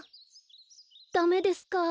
ダメですか？